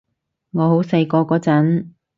我好細個嗰陣